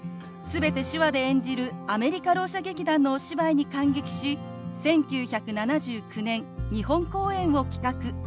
全て手話で演じるアメリカろう者劇団のお芝居に感激し１９７９年日本公演を企画。